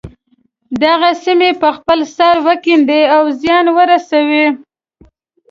دغه سیمې په خپل سر وکیندي او زیان ورسوي.